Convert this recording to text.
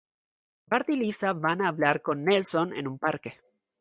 Bart y Lisa van a hablar con Nelson en un parque.